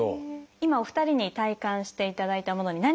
今お二人に体感していただいたものに何が入っているか。